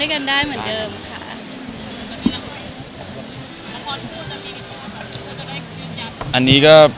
คุณสัมผัสดีครับ